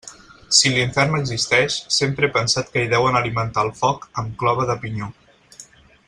Si l'infern existeix, sempre he pensat que hi deuen alimentar el foc amb clova de pinyó.